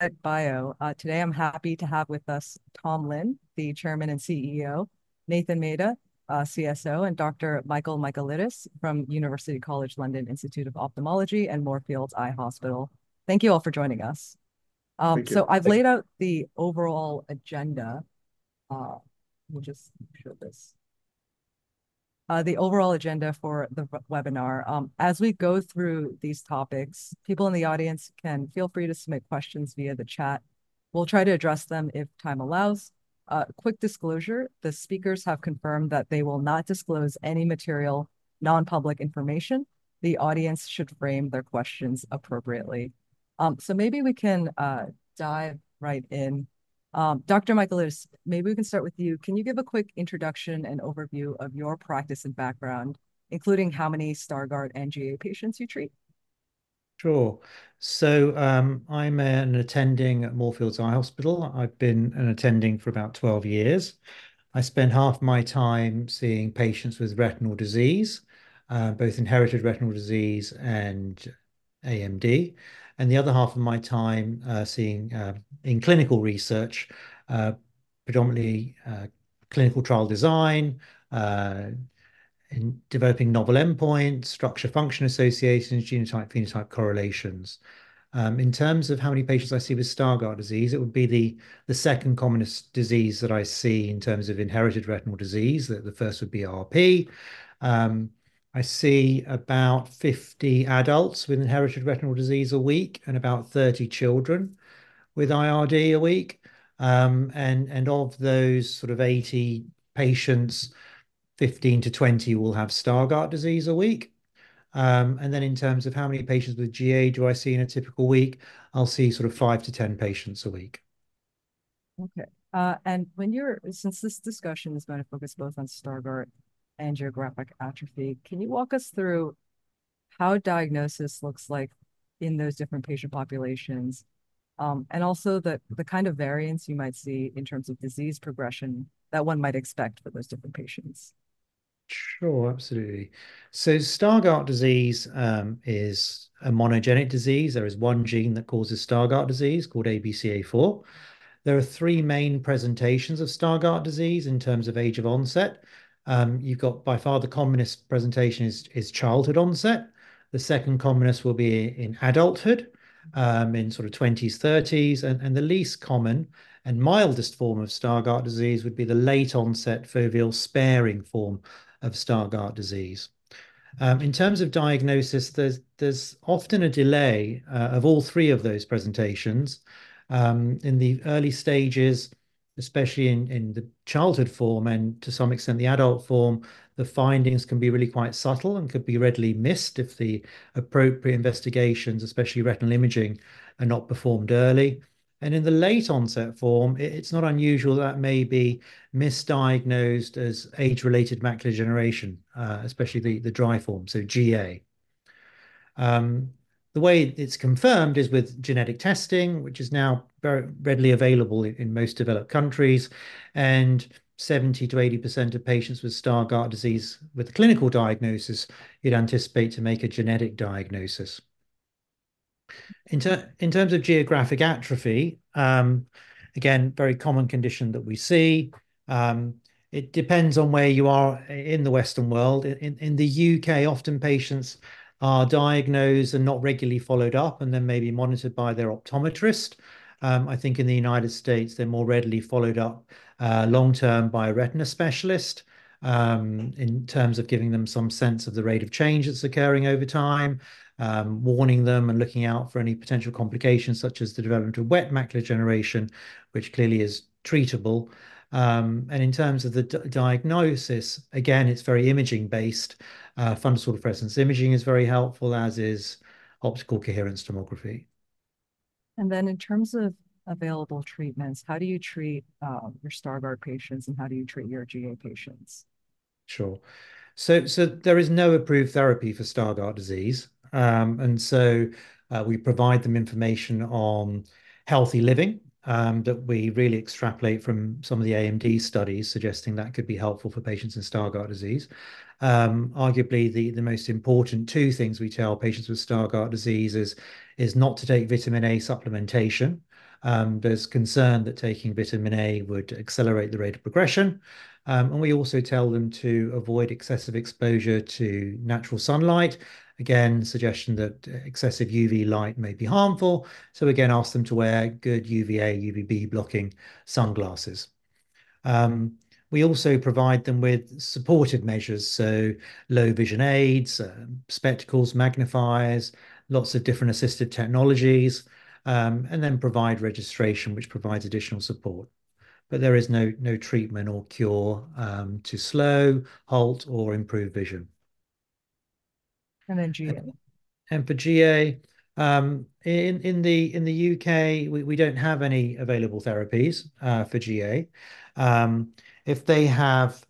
Belite Bio. Today I'm happy to have with us Tom Lin, the Chairman and CEO, Nathan Mata, CSO, and Dr. Michel Michaelides from University College London Institute of Ophthalmology and Moorfields Eye Hospital. Thank you all for joining us. Thank you. So I've laid out the overall agenda. We'll just share this. The overall agenda for the webinar. As we go through these topics, people in the audience can feel free to submit questions via the chat. We'll try to address them if time allows. Quick disclosure, the speakers have confirmed that they will not disclose any material, non-public information. The audience should frame their questions appropriately. So maybe we can dive right in. Dr. Michaelides, maybe we can start with you. Can you give a quick introduction and overview of your practice and background, including how many Stargardt and GA patients you treat? Sure. So, I'm an attending at Moorfields Eye Hospital. I've been an attending for about 12 years. I spend half my time seeing patients with retinal disease, both inherited retinal disease and AMD, and the other half of my time seeing in clinical research, predominantly clinical trial design in developing novel endpoints, structure function associations, genotype, phenotype correlations. In terms of how many patients I see with Stargardt disease, it would be the second commonest disease that I see in terms of inherited retinal disease, that the first would be RP. I see about 50 adults with inherited retinal disease a week and about 30 children with IRD a week. And of those sort of 80 patients, 15-20 will have Stargardt disease a week. And then, in terms of how many patients with GA do I see in a typical week? I'll see sort of five to 10 patients a week. Okay. Since this discussion is going to focus both on Stargardt and Geographic Atrophy, can you walk us through how diagnosis looks like in those different patient populations? And also the kind of variants you might see in terms of disease progression that one might expect for those different patients. Sure. Absolutely. So Stargardt Disease is a monogenic disease. There is one gene that causes Stargardt Disease called ABCA4. There are three main presentations of Stargardt Disease in terms of age of onset. You've got by far the commonest presentation is childhood onset. The second commonest will be in adulthood, in sort of 20s, 30s. And the least common and mildest form of Stargardt Disease would be the late onset foveal sparing form of Stargardt Disease. In terms of diagnosis, there's often a delay of all three of those presentations. In the early stages, especially in the childhood form and to some extent the adult form, the findings can be really quite subtle and could be readily missed if the appropriate investigations, especially retinal imaging, are not performed early. And in the late onset form, it's not unusual that may be misdiagnosed as age-related macular degeneration, especially the dry form, so GA. The way it's confirmed is with genetic testing, which is now very readily available in most developed countries, and 70%-80% of patients with Stargardt Disease, with clinical diagnosis, you'd anticipate to make a genetic diagnosis. In terms of geographic atrophy, again, very common condition that we see. It depends on where you are in the Western world. In the U.K., often patients are diagnosed and not regularly followed up and then may be monitored by their optometrist. I think in the United States, they're more readily followed up, long-term by a retina specialist, in terms of giving them some sense of the rate of change that's occurring over time, warning them and looking out for any potential complications, such as the development of wet macular degeneration, which clearly is treatable. And in terms of the diagnosis, again, it's very imaging based. Fundus fluorescein imaging is very helpful, as is optical coherence tomography. In terms of available treatments, how do you treat your Stargardt patients, and how do you treat your GA patients? Sure. So there is no approved therapy for Stargardt disease. And so we provide them information on healthy living that we really extrapolate from some of the AMD studies, suggesting that could be helpful for patients with Stargardt disease. Arguably, the most important two things we tell patients with Stargardt disease is not to take vitamin A supplementation. There's concern that taking vitamin A would accelerate the rate of progression. And we also tell them to avoid excessive exposure to natural sunlight. Again, suggestion that excessive UV light may be harmful. So again, ask them to wear good UVA, UVB blocking sunglasses. We also provide them with supportive measures, so low vision aids, spectacles, magnifiers, lots of different assistive technologies, and then provide registration, which provides additional support. There is no, no treatment or cure to slow, halt, or improve vision. And then GA? For GA, in the U.K., we don't have any available therapies for GA. If they have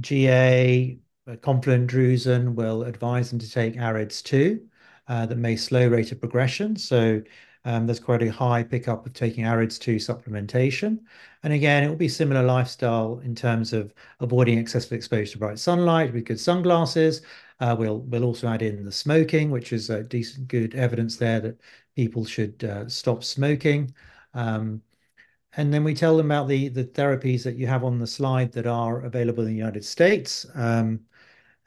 GA, confluent drusen will advise them to take AREDS2, that may slow rate of progression. So, there's quite a high pickup of taking AREDS2 supplementation. And again, it will be similar lifestyle in terms of avoiding excessive exposure to bright sunlight with good sunglasses. We'll also add in the smoking, which is a decent, good evidence there that people should stop smoking. And then we tell them about the therapies that you have on the slide that are available in the United States.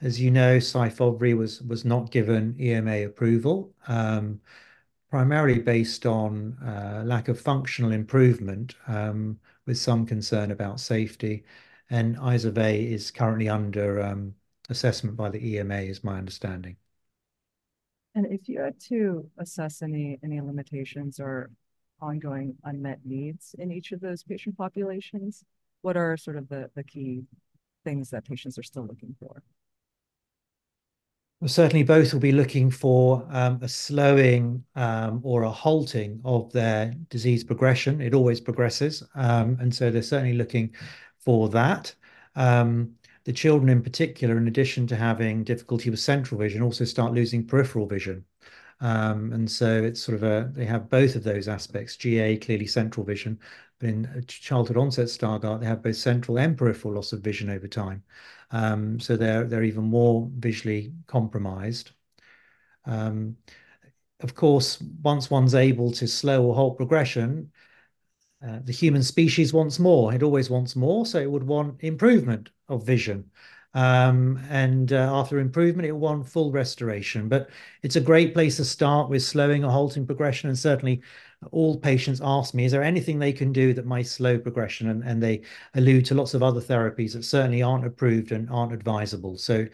As you know, SYFOVRE was not given EMA approval, primarily based on lack of functional improvement, with some concern about safety. Izervay is currently under assessment by the EMA, is my understanding. If you had to assess any limitations or ongoing unmet needs in each of those patient populations, what are sort of the key things that patients are still looking for? Well, certainly both will be looking for a slowing or a halting of their disease progression. It always progresses, and so they're certainly looking for that. The children in particular, in addition to having difficulty with central vision, also start losing peripheral vision. And so it's sort of a, they have both of those aspects, GA, clearly central vision. But in childhood-onset Stargardt, they have both central and peripheral loss of vision over time. So they're even more visually compromised. Of course, once one's able to slow or halt progression, the human species wants more. It always wants more, so it would want improvement of vision. And after improvement, it will want full restoration. But it's a great place to start with slowing or halting progression, and certainly all patients ask me, is there anything they can do that might slow progression? And, and they allude to lots of other therapies that certainly aren't approved and aren't advisable. So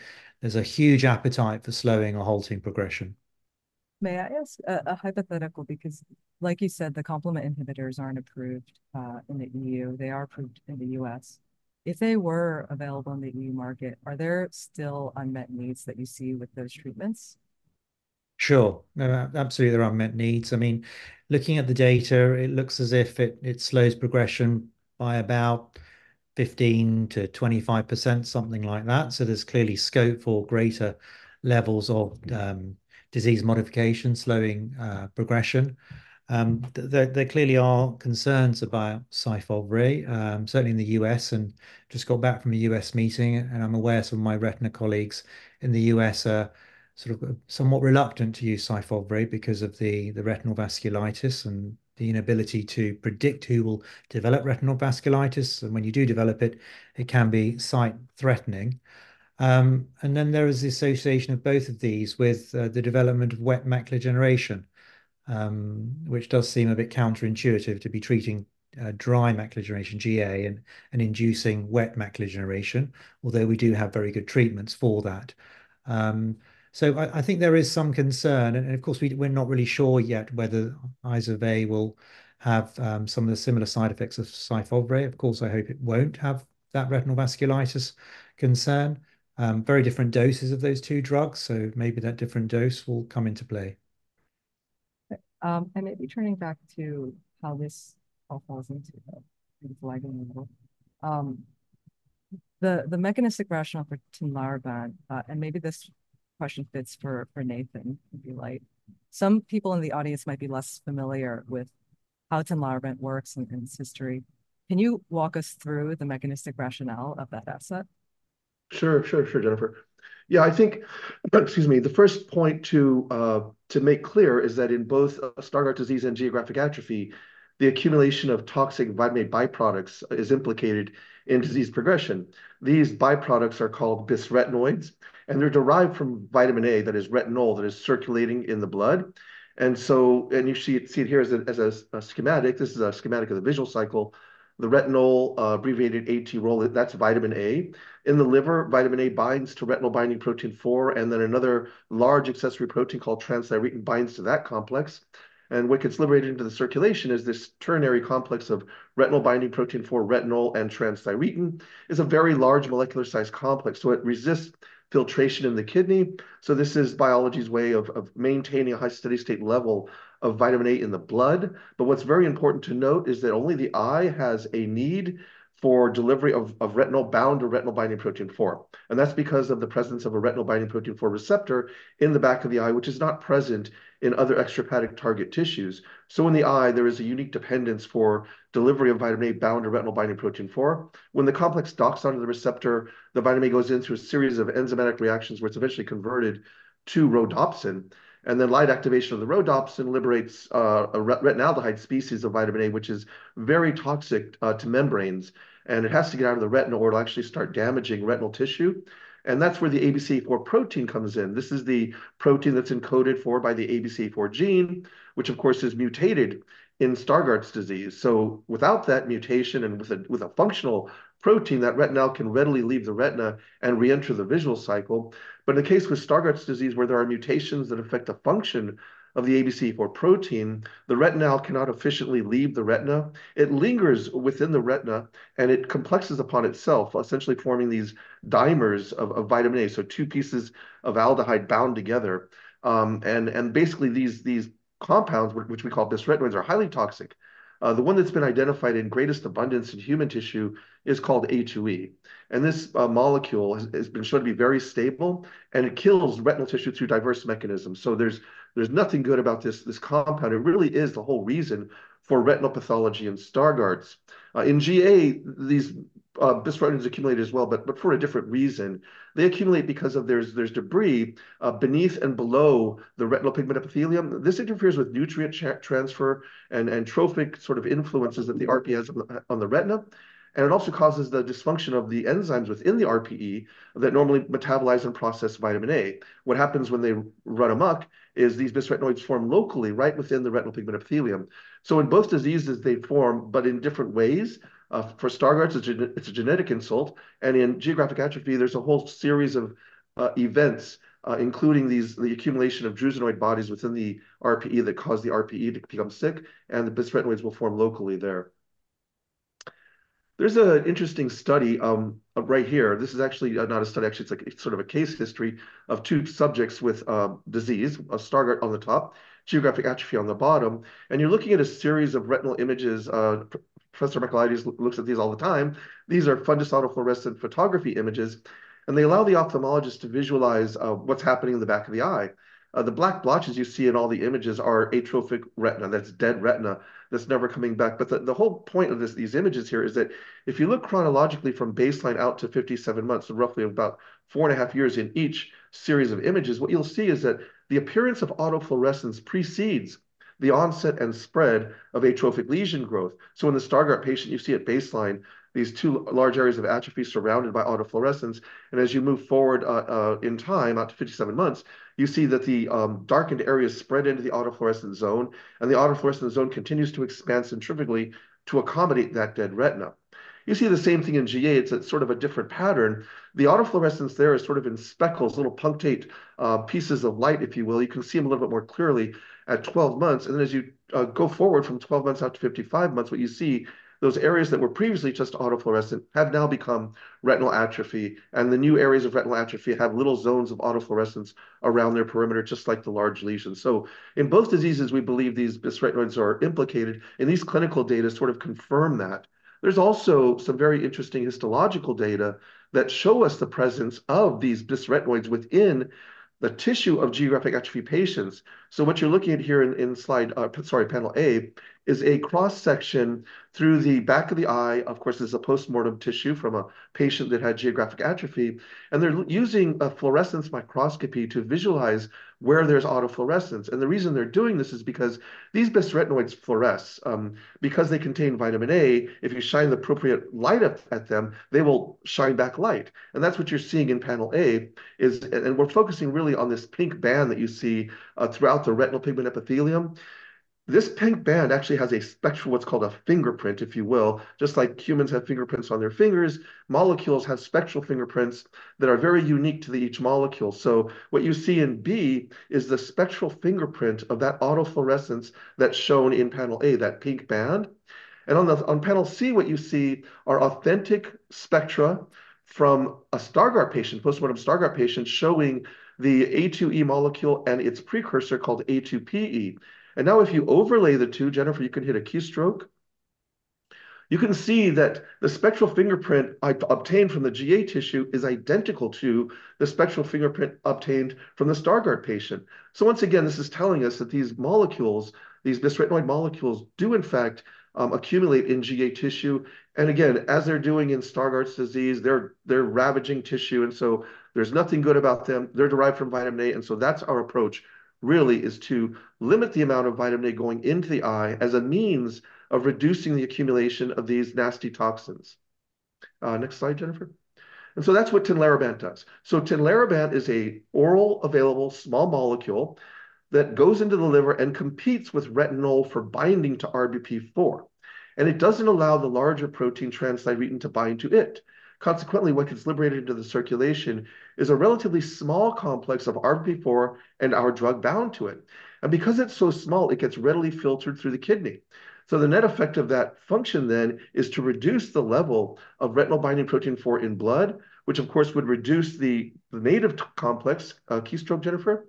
there's a huge appetite for slowing or halting progression. May I ask a hypothetical? Because like you said, the complement inhibitors aren't approved in the E.U. They are approved in the U.S. If they were available on the E.U. market, are there still unmet needs that you see with those treatments? Sure. Absolutely, there are unmet needs. I mean, looking at the data, it looks as if it, it slows progression by about 15%-25%, something like that. So there's clearly scope for greater levels of, disease modification, slowing, progression. There clearly are concerns about SYFOVRE, certainly in the U.S., and just got back from a U.S. meeting, and I'm aware some of my retina colleagues in the U.S. are sort of somewhat reluctant to use SYFOVRE because of the, the retinal vasculitis and the inability to predict who will develop retinal vasculitis. And when you do develop it, it can be sight-threatening. And then there is the association of both of these with the development of wet macular degeneration, which does seem a bit counterintuitive to be treating dry macular degeneration, GA, and inducing wet macular degeneration, although we do have very good treatments for that. So I think there is some concern, and of course, we're not really sure yet whether Izervay will have some of the similar side effects of SYFOVRE. Of course, I hope it won't have that retinal vasculitis concern. Very different doses of those two drugs, so maybe that different dose will come into play. And maybe turning back to how this all falls into the Stargardt a little. The mechanistic rationale for Tinlarebant, and maybe this question fits for Nathan, if you like. Some people in the audience might be less familiar with how Tinlarebant works and its history. Can you walk us through the mechanistic rationale of that asset? Sure, sure, sure, Jennifer. Yeah, I think, excuse me, the first point to make clear is that in both Stargardt disease and geographic atrophy, the accumulation of toxic vitamin A byproducts is implicated in disease progression. These byproducts are called bisretinoids, and they're derived from vitamin A, that is retinol, that is circulating in the blood. And so—and you see it here as a schematic. This is a schematic of the visual cycle. The retinol, abbreviated ATrol, that's vitamin A. In the liver, vitamin A binds to Retinol Binding Protein 4, and then another large accessory protein called transthyretin binds to that complex. And what gets liberated into the circulation is this ternary complex of Retinol Binding Protein 4, retinol, and transthyretin. It's a very large molecular size complex, so it resists filtration in the kidney. This is biology's way of maintaining a high, steady state level of vitamin A in the blood. But what's very important to note is that only the eye has a need for delivery of retinol bound to Retinol Binding Protein 4. That's because of the presence of a Retinol Binding Protein 4 receptor in the back of the eye, which is not present in other extraocular target tissues. In the eye, there is a unique dependence for delivery of vitamin A bound to Retinol Binding Protein 4. When the complex docks onto the receptor, the vitamin A goes in through a series of enzymatic reactions, where it's eventually converted to rhodopsin, and then light activation of the rhodopsin liberates a retinaldehyde species of vitamin A, which is very toxic to membranes, and it has to get out of the retina or it'll actually start damaging retinal tissue. That's where the ABCA4 protein comes in. This is the protein that's encoded for by the ABCA4 gene, which, of course, is mutated in Stargardt disease. Without that mutation and with a functional protein, that retinal can readily leave the retina and reenter the visual cycle. But in the case with Stargardt disease, where there are mutations that affect the function of the ABCA4 protein, the retinal cannot efficiently leave the retina. It lingers within the retina, and it complexes upon itself, essentially forming these dimers of vitamin A, so two pieces of aldehyde bound together. And basically, these compounds, which we call bisretinoids, are highly toxic. The one that's been identified in greatest abundance in human tissue is called A2E, and this molecule has been shown to be very stable, and it kills retinal tissue through diverse mechanisms. So there's nothing good about this compound. It really is the whole reason for retinal pathology in Stargardt's. In GA, these bisretinoids accumulate as well, but for a different reason. They accumulate because there's debris beneath and below the retinal pigment epithelium. This interferes with nutrient exchange, transfer, and trophic sort of influences that the RPE has on the retina. It also causes the dysfunction of the enzymes within the RPE that normally metabolize and process vitamin A. What happens when they run amok is these bisretinoids form locally, right within the retinal pigment epithelium. So in both diseases, they form, but in different ways. For Stargardt, it's a genetic insult, and in Geographic Atrophy, there's a whole series of events, including the accumulation of drusenoid bodies within the RPE that cause the RPE to become sick, and the bisretinoids will form locally there. There's an interesting study, right here. This is actually not a study, actually, it's like, it's sort of a case history of two subjects with disease, a Stargardt on the top, Geographic Atrophy on the bottom. And you're looking at a series of retinal images. Professor Michaelides looks at these all the time. These are fundus autofluorescence photography images, and they allow the ophthalmologist to visualize what's happening in the back of the eye. The black blotches you see in all the images are atrophic retina. That's dead retina that's never coming back. But the whole point of this, these images here is that if you look chronologically from baseline out to 57 months, so roughly about four and a half years in each series of images, what you'll see is that the appearance of autofluorescence precedes the onset and spread of atrophic lesion growth. So in the Stargardt patient, you see at baseline these two large areas of atrophy surrounded by autofluorescence, and as you move forward in time, out to 57 months, you see that the darkened areas spread into the autofluorescence zone, and the autofluorescence zone continues to expand centripetally to accommodate that dead retina. You see the same thing in GA. It's a sort of a different pattern. The autofluorescence there is sort of in speckles, little punctate pieces of light, if you will. You can see them a little bit more clearly at 12 months. And then as you go forward from 12 months out to 55 months, what you see, those areas that were previously just autofluorescent have now become retinal atrophy, and the new areas of retinal atrophy have little zones of autofluorescence around their perimeter, just like the large lesions. So in both diseases, we believe these bisretinoids are implicated, and these clinical data sort of confirm that. There's also some very interesting histological data that show us the presence of these bisretinoids within the tissue of geographic atrophy patients. So what you're looking at here in slide, sorry, panel A, is a cross-section through the back of the eye. Of course, this is a postmortem tissue from a patient that had geographic atrophy, and they're using a fluorescence microscopy to visualize where there's autofluorescence. And the reason they're doing this is because these bisretinoids fluoresce. Because they contain vitamin A, if you shine the appropriate light at them, they will shine back light, and that's what you're seeing in panel A, and we're focusing really on this pink band that you see throughout the retinal pigment epithelium. This pink band actually has a spectral, what's called a fingerprint, if you will. Just like humans have fingerprints on their fingers, molecules have spectral fingerprints that are very unique to each molecule. So what you see in B is the spectral fingerprint of that autofluorescence that's shown in panel A, that pink band. And on panel C, what you see are authentic spectra from a Stargardt patient, postmortem Stargardt patient, showing the A2E molecule and its precursor, called A2PE. And now, if you overlay the two, Jennifer, you can hit a Q stroke, you can see that the spectral fingerprint I obtained from the GA tissue is identical to the spectral fingerprint obtained from the Stargardt patient. So once again, this is telling us that these molecules, these bisretinoid molecules, do in fact accumulate in GA tissue. Again, as they're doing in Stargardt Disease, they're ravaging tissue, and so there's nothing good about them. They're derived from vitamin A, and so that's our approach, really, is to limit the amount of vitamin A going into the eye as a means of reducing the accumulation of these nasty toxins. Next slide, Jennifer. So that's what Tinlarebant does. So Tinlarebant is an oral available small molecule that goes into the liver and competes with retinol for binding to RBP4, and it doesn't allow the larger protein transthyretin to bind to it. Consequently, what gets liberated into the circulation is a relatively small complex of RBP4 and our drug bound to it. And because it's so small, it gets readily filtered through the kidney. So the net effect of that function then is to reduce the level of Retinol Binding Protein 4 in blood, which of course, would reduce the native complex. Thank you, Jennifer.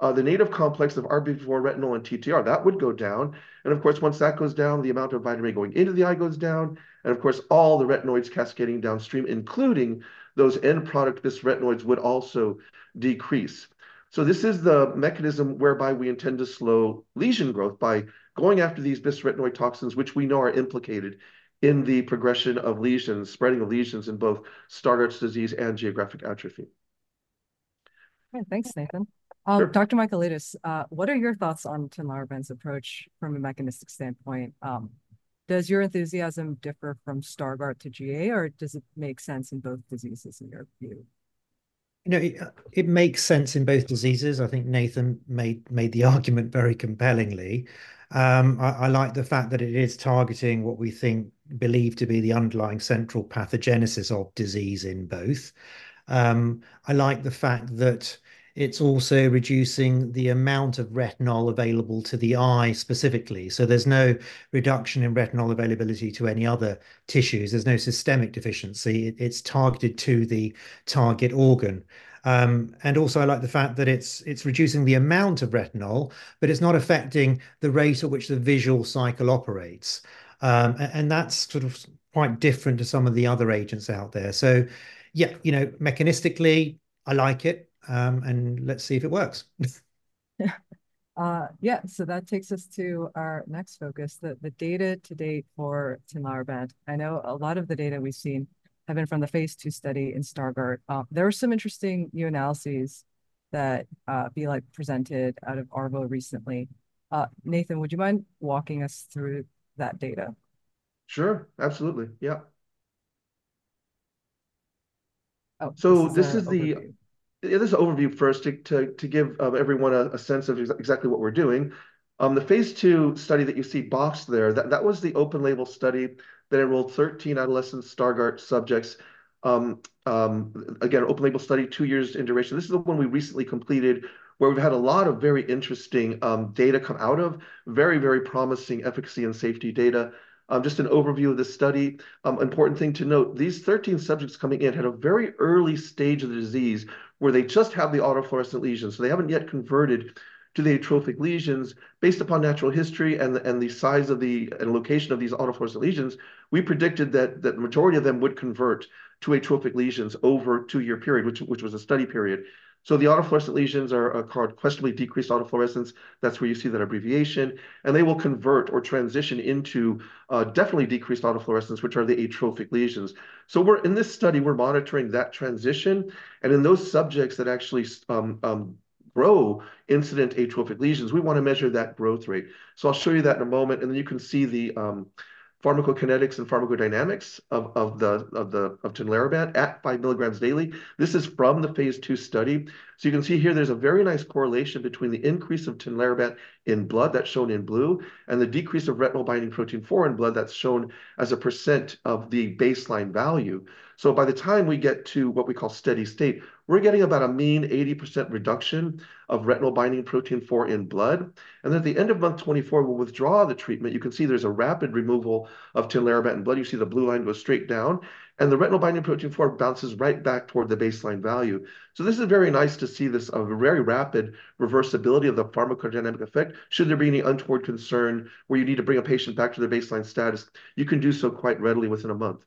The native complex of RBP4 retinol and TTR, that would go down, and of course, once that goes down, the amount of vitamin A going into the eye goes down, and of course, all the retinoids cascading downstream, including those end product, bisretinoids, would also decrease. So this is the mechanism whereby we intend to slow lesion growth by going after these bisretinoid toxins, which we know are implicated in the progression of lesions, spreading of lesions in both Stargardt's disease and geographic atrophy. Great. Thanks, Nathan. Sure. Dr. Michaelides, what are your thoughts on Tinlarebant's approach from a mechanistic standpoint? Does your enthusiasm differ from Stargardt to GA, or does it make sense in both diseases, in your view? You know, it makes sense in both diseases. I think Nathan made the argument very compellingly. I like the fact that it is targeting what we think, believe to be the underlying central pathogenesis of disease in both. I like the fact that it's also reducing the amount of retinol available to the eye specifically, so there's no reduction in retinol availability to any other tissues. There's no systemic deficiency. It's targeted to the target organ. And also, I like the fact that it's reducing the amount of retinol, but it's not affecting the rate at which the visual cycle operates. And that's sort of quite different to some of the other agents out there. So yeah, you know, mechanistically, I like it, and let's see if it works. Yeah, so that takes us to our next focus, the data to date for Tinlarebant. I know a lot of the data we've seen have been from the phase II study in Stargardt. There are some interesting new analyses that Belite presented at ARVO recently. Nathan, would you mind walking us through that data? Sure, absolutely. Yeah. So this is the overview first to give everyone a sense of exactly what we're doing. The phase II study that you see boxed there, that was the open label study that enrolled 13 adolescent Stargardt subjects. Again, open label study, two years in duration. This is the one we recently completed, where we've had a lot of very interesting data come out of. Very, very promising efficacy and safety data. Just an overview of the study. Important thing to note, these 13 subjects coming in had a very early stage of the disease, where they just have the autofluorescent lesions. So they haven't yet converted to the atrophic lesions. Based upon natural history and the size and location of these autofluorescent lesions, we predicted that the majority of them would convert to atrophic lesions over a two year period, which was the study period. So the autofluorescent lesions are called questionably decreased autofluorescence. That's where you see that abbreviation, and they will convert or transition into definitely decreased autofluorescence, which are the atrophic lesions. So in this study, we're monitoring that transition, and in those subjects that actually grow incident atrophic lesions, we wanna measure that growth rate. So I'll show you that in a moment, and then you can see the Pharmacokinetics and Pharmacodynamics of Tinlarebant at 5 milligrams daily. This is from the phase II study. So you can see here, there's a very nice correlation between the increase of Tinlarebant in blood, that's shown in blue, and the decrease of Retinol Binding Protein 4 in blood, that's shown as a percent of the baseline value. So by the time we get to what we call steady state, we're getting about a mean 80% reduction of Retinol Binding Protein 4 in blood. And then at the end of month 24, we'll withdraw the treatment. You can see there's a rapid removal of Tinlarebant in blood. You see the blue line goes straight down, and the Retinol Binding Protein 4 bounces right back toward the baseline value. So this is very nice to see this very rapid reversibility of the pharmacodynamic effect. Should there be any untoward concern, where you need to bring a patient back to their baseline status, you can do so quite readily within a month.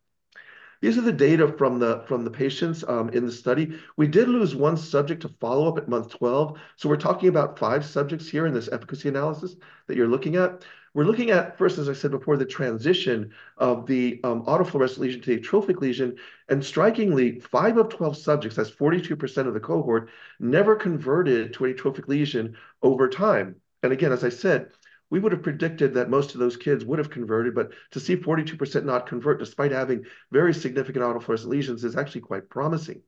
These are the data from the patients in the study. We did lose one subject to follow-up at month 12, so we're talking about five subjects here in this efficacy analysis that you're looking at. We're looking at, first, as I said before, the transition of the autofluorescent lesion to the atrophic lesion, and strikingly, five of 12 subjects, that's 42% of the cohort, never converted to an atrophic lesion over time. Again, as I said, we would've predicted that most of those kids would've converted, but to see 42% not convert, despite having very significant autofluorescent lesions, is actually quite promising.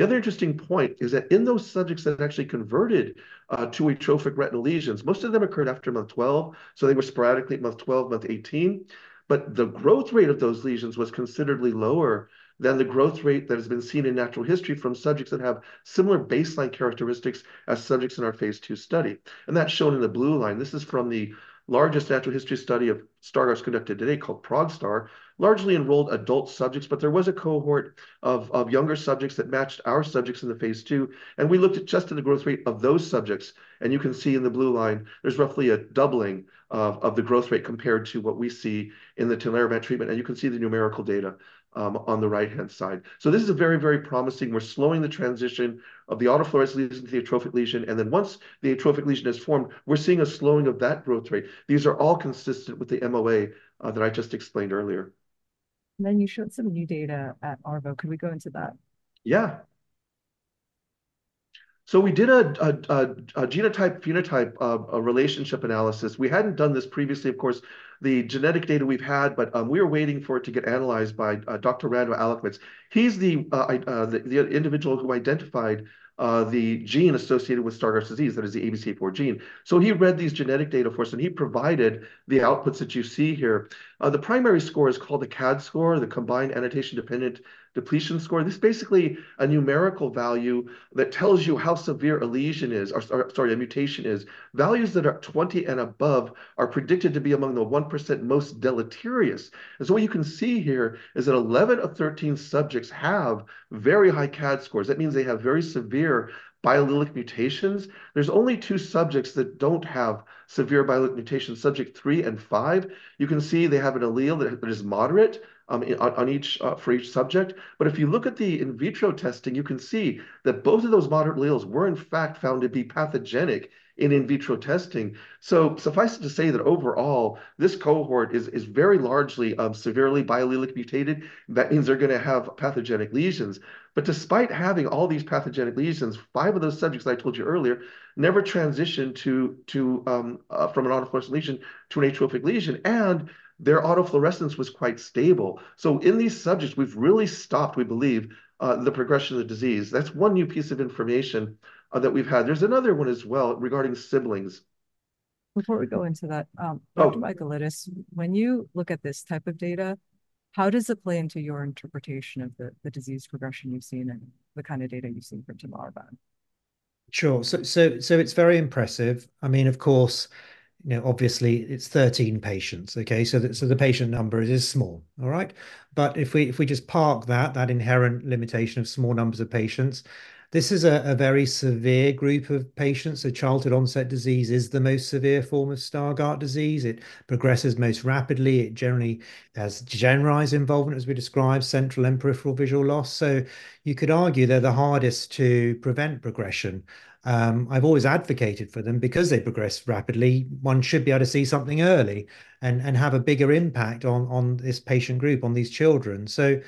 The other interesting point is that in those subjects that have actually converted to atrophic retinal lesions, most of them occurred after month 12, so they were sporadically month 12, month 18. But the growth rate of those lesions was considerably lower than the growth rate that has been seen in natural history from subjects that have similar baseline characteristics as subjects in our phase II study, and that's shown in the blue line. This is from the largest natural history study of Stargardt's conducted today, called ProgStar. Largely enrolled adult subjects, but there was a cohort of younger subjects that matched our subjects in the phase II, and we looked at just at the growth rate of those subjects. You can see in the blue line, there's roughly a doubling of the growth rate compared to what we see in the Tinlarebant treatment. You can see the numerical data on the right-hand side. So this is a very, very promising. We're slowing the transition of the autofluorescent lesions to the atrophic lesion, and then once the atrophic lesion is formed, we're seeing a slowing of that growth rate. These are all consistent with the MOA that I just explained earlier. And then you showed some new data at ARVO. Can we go into that? Yeah. So we did a genotype, phenotype relationship analysis. We hadn't done this previously. Of course, the genetic data we've had, but we were waiting for it to get analyzed by Dr. Rando Allikmets. He's the individual who identified the gene associated with Stargardt's disease, that is the ABCA4 gene. So he read these genetic data for us, and he provided the outputs that you see here. The primary score is called the CADD score, the combined annotation dependent depletion score. This is basically a numerical value that tells you how severe a lesion is or, sorry, a mutation is. Values that are 20 and above are predicted to be among the 1% most deleterious. And so what you can see here is that 11 of 13 subjects have very high CADD scores. That means they have very severe biallelic mutations. There's only two subjects that don't have severe biallelic mutations, subject 3 and 5. You can see they have an allele that that is moderate on each for each subject. But if you look at the in vitro testing, you can see that both of those moderate alleles were, in fact, found to be pathogenic in in vitro testing. So suffice it to say that overall, this cohort is very largely severely biallelic mutated. That means they're gonna have pathogenic lesions. But despite having all these pathogenic lesions, five of those subjects I told you earlier never transitioned from an autofluorescent lesion to an atrophic lesion, and their autofluorescence was quite stable. So in these subjects, we've really stopped, we believe, the progression of the disease. That's one new piece of information that we've had. There's another one as well regarding siblings. Before we go into that. Dr. Michaelides, when you look at this type of data, how does it play into your interpretation of the disease progression you've seen and the kind of data you've seen for Tinlarebant? Sure. So it's very impressive. I mean, of course, you know, obviously, it's 13 patients, okay? So the patient number is small. All right? But if we just park that inherent limitation of small numbers of patients, this is a very severe group of patients. So childhood-onset disease is the most severe form of Stargardt disease. It progresses most rapidly. It generally has generalized involvement, as we described, central and peripheral visual loss. So you could argue they're the hardest to prevent progression. I've always advocated for them. Because they progress rapidly, one should be able to see something early and have a bigger impact on this patient group, on these children. So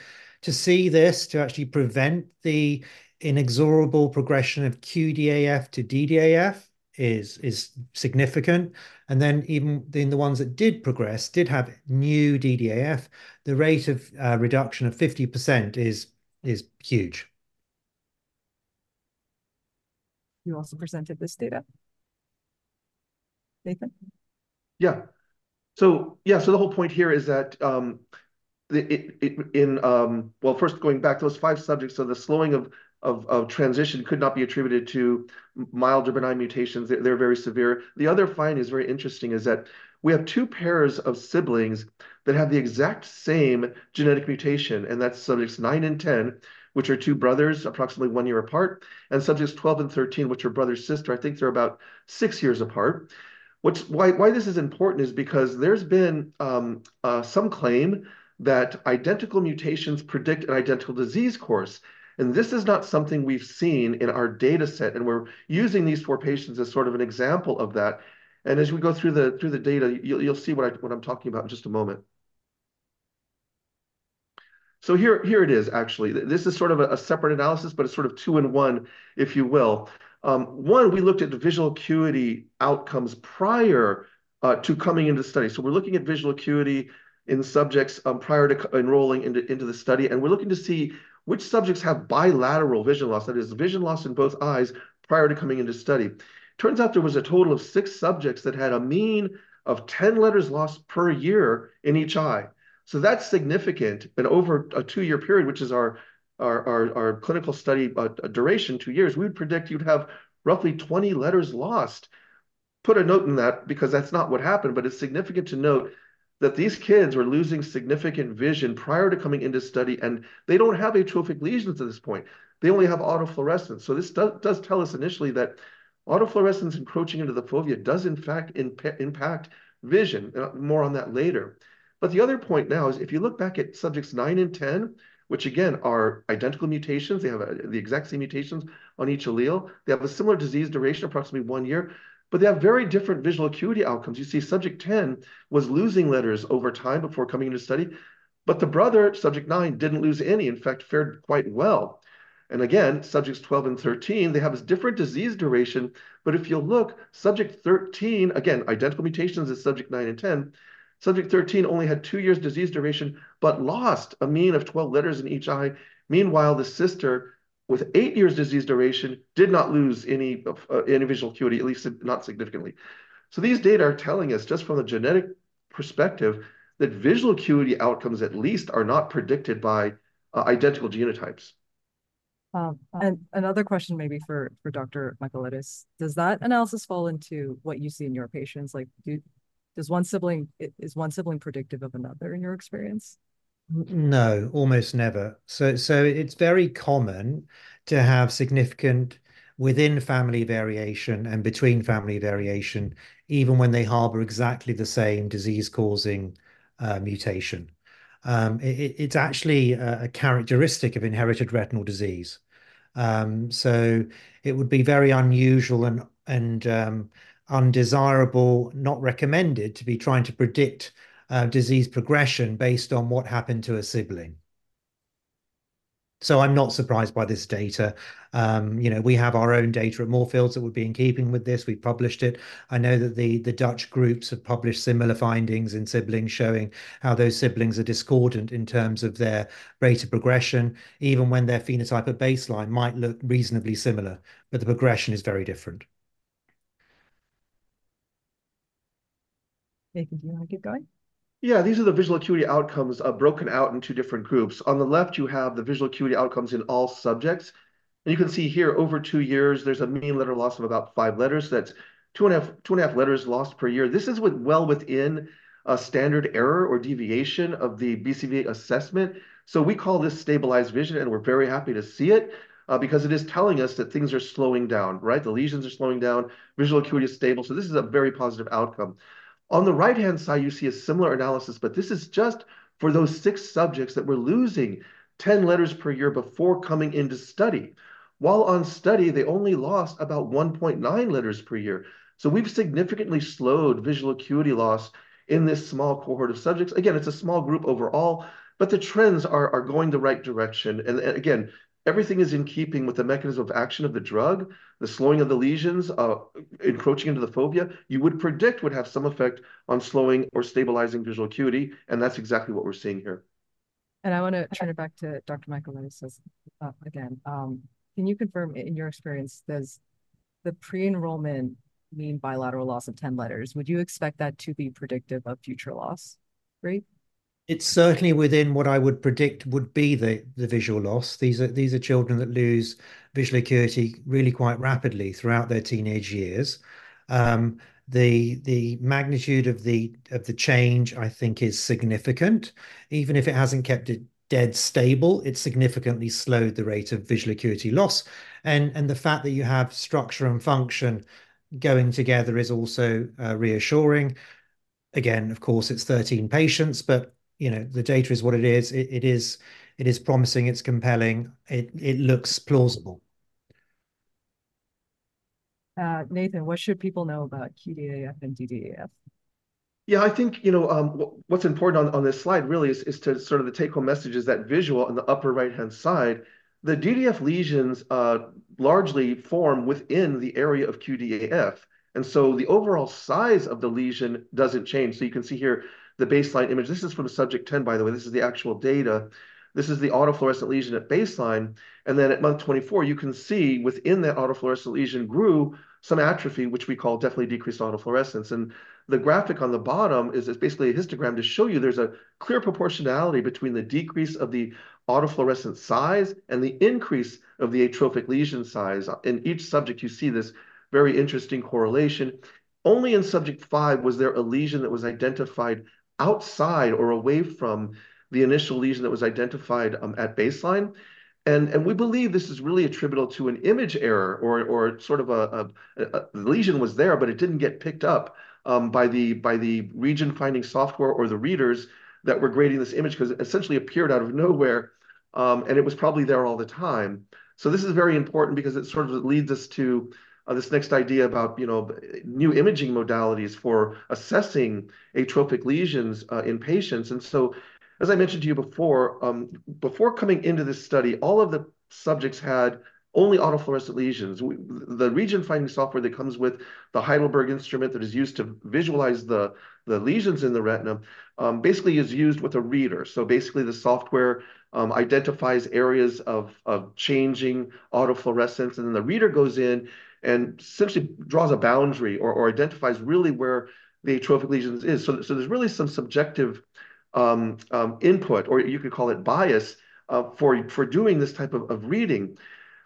to see this, to actually prevent the inexorable progression of QDAF to DDAF is significant. And then even the ones that did progress did have new DDAF, the rate of reduction of 50% is huge. You also presented this data? Nathan? Yeah. So, the whole point here is that, Well, first going back to those five subjects, so the slowing of transition could not be attributed to mild or benign mutations. They're very severe. The other finding is very interesting, that we have two pairs of siblings that have the exact same genetic mutation, and that's subjects 9 and 10, which are two brothers approximately one year apart, and subjects 12 and 13, which are brother and sister. I think they're about six years apart. Why this is important is because there's been some claim that identical mutations predict an identical disease course, and this is not something we've seen in our data set, and we're using these four patients as sort of an example of that. As we go through the data, you'll see what I'm talking about in just a moment. Here it is, actually. This is sort of a separate analysis, but it's sort of two in one, if you will. One, we looked at the visual acuity outcomes prior to coming into the study. We're looking at visual acuity in the subjects prior to enrolling into the study, and we're looking to see which subjects have bilateral vision loss. That is, vision loss in both eyes prior to coming into study. Turns out there was a total of six subjects that had a mean of 10 letters lost per year in each eye. So that's significant, and over a two year period, which is our clinical study duration, two years, we would predict you'd have roughly 20 letters lost. Put a note in that, because that's not what happened, but it's significant to note that these kids were losing significant vision prior to coming into study, and they don't have atrophic lesions at this point. They only have autofluorescence. So this does tell us initially that autofluorescence encroaching into the fovea does in fact impact vision. More on that later. But the other point now is, if you look back at subjects 9 and 10, which again, are identical mutations, they have the exact same mutations on each allele. They have a similar disease duration, approximately one year, but they have very different visual acuity outcomes. You see, subject 10 was losing letters over time before coming into study, but the brother, subject 9, didn't lose any, in fact, fared quite well. And again, subjects 12 and 13, they have this different disease duration, but if you look, subject 13, again, identical mutations as subject 9 and 10. Subject 13 only had two years disease duration, but lost a mean of 12 letters in each eye. Meanwhile, the sister, with eight years disease duration, did not lose any of, any visual acuity, at least not significantly. So these data are telling us, just from the genetic perspective, that visual acuity outcomes at least are not predicted by, identical genotypes. And another question maybe for Dr. Michaelides. Does that analysis fall into what you see in your patients? Like, does one sibling, is one sibling predictive of another, in your experience? No, almost never. So, it's very common to have significant within-family variation and between-family variation, even when they harbor exactly the same disease-causing mutation. It's actually a characteristic of inherited retinal disease. So it would be very unusual and undesirable, not recommended, to be trying to predict disease progression based on what happened to a sibling. So I'm not surprised by this data. You know, we have our own data at Moorfields that would be in keeping with this. We've published it. I know that the Dutch groups have published similar findings in siblings, showing how those siblings are discordant in terms of their rate of progression, even when their phenotype at baseline might look reasonably similar, but the progression is very different. Nathan, do you want to keep going? Yeah, these are the visual acuity outcomes, broken out into different groups. On the left, you have the visual acuity outcomes in all subjects, and you can see here, over two years, there's a mean letter loss of about five letters. That's 2.5, 2.5 letters lost per year. This is well within a standard error or deviation of the BCVA assessment. So we call this stabilized vision, and we're very happy to see it, because it is telling us that things are slowing down, right? The lesions are slowing down. Visual acuity is stable, so this is a very positive outcome. On the right-hand side, you see a similar analysis, but this is just for those six subjects that were losing 10 letters per year before coming into study. While on study, they only lost about 1.9 letters per year. So we've significantly slowed visual acuity loss in this small cohort of subjects. Again, it's a small group overall, but the trends are going the right direction. And again, everything is in keeping with the mechanism of action of the drug. The slowing of the lesions encroaching into the fovea, you would predict would have some effect on slowing or stabilizing visual acuity, and that's exactly what we're seeing here. I want to turn it back to Dr. Michaelides as again. Can you confirm, in your experience, does the pre-enrollment mean bilateral loss of 10 letters? Would you expect that to be predictive of future loss rate? It's certainly within what I would predict would be the visual loss. These are children that lose visual acuity really quite rapidly throughout their teenage years. The magnitude of the change, I think, is significant. Even if it hasn't kept it dead stable, it's significantly slowed the rate of visual acuity loss, and the fact that you have structure and function going together is also reassuring. Again, of course, it's 13 patients, but, you know, the data is what it is. It is promising, it's compelling. It looks plausible. Nathan, what should people know about QDAF and DDAF? Yeah, I think, you know, what, what's important on this slide really is to sort of the take-home message is that visual in the upper right-hand side. The DDAF lesions largely form within the area of QDAF, and so the overall size of the lesion doesn't change. So you can see here the baseline image. This is from the subject 10, by the way. This is the actual data. This is the autofluorescent lesion at baseline, and then at month 24, you can see within that autofluorescent lesion grew some atrophy, which we call definitely decreased autofluorescence. And the graphic on the bottom is basically a histogram to show you there's a clear proportionality between the decrease of the autofluorescent size and the increase of the atrophic lesion size. In each subject, you see this very interesting correlation. Only in subject 5 was there a lesion that was identified outside or away from the initial lesion that was identified at baseline. And we believe this is really attributable to an image error or, or sort of a-- the lesion was there, but it didn't get picked up by the, by the region-finding software or the readers that were grading this image, 'cause it essentially appeared out of nowhere, and it was probably there all the time. So this is very important because it sort of leads us to this next idea about, you know, new imaging modalities for assessing atrophic lesions in patients. And so, as I mentioned to you before, before coming into this study, all of the subjects had only autofluorescent lesions. The region-finding software that comes with the Heidelberg instrument that is used to visualize the lesions in the retina, basically is used with a reader. So basically, the software identifies areas of changing autofluorescence, and then the reader goes in and essentially draws a boundary or identifies really where the atrophic lesions is. So there's really some subjective input, or you could call it bias, for doing this type of reading.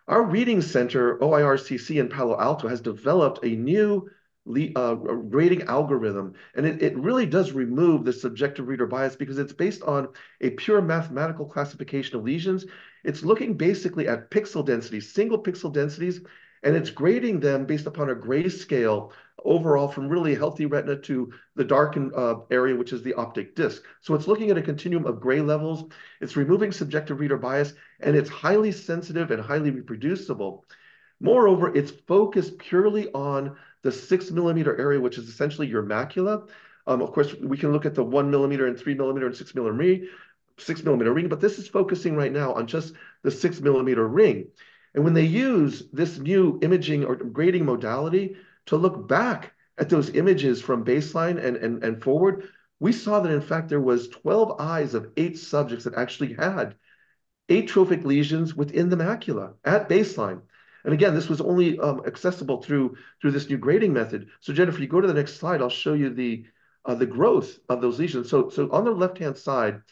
Our reading center, [OIRCC] in Palo Alto, has developed a new grading algorithm, and it really does remove the subjective reader bias because it's based on a pure mathematical classification of lesions. It's looking basically at pixel density, single pixel densities, and it's grading them based upon a grayscale overall from really healthy retina to the darkened area, which is the optic disc. So it's looking at a continuum of gray levels, it's removing subjective reader bias, and it's highly sensitive and highly reproducible. Moreover, it's focused purely on the 6-millimeter area, which is essentially your macula. Of course, we can look at the 1-millimeter and 3-millimeter and 6-millimeter, 6-millimeter ring, but this is focusing right now on just the 6-millimeter ring. And when they use this new imaging or grading modality to look back at those images from baseline and forward, we saw that, in fact, there was 12 eyes of eight subjects that actually had atrophic lesions within the macula at baseline. And again, this was only accessible through this new grading method. So Jennifer, you go to the next slide, I'll show you the growth of those lesions. So on the left-hand side